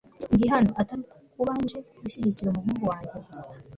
ndi hano atari ku kuba nje gushyigikira umuhungu wanjye gusa